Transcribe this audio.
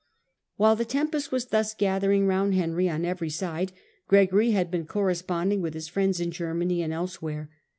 —^ While the tempest was thus gathering round Henry on every side, Gregory had been corresponding with his friends in Germany and elsewhere.